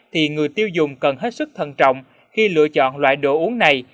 thì người tiêu dùng cần hết sức thân trọng khi lựa chọn loại đồ uống này